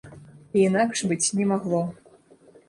І інакш быць не магло.